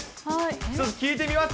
ちょっと聞いてみます？